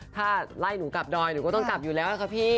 ถ้าไล่หนูกลับดอยหนูก็ต้องกลับอยู่แล้วค่ะพี่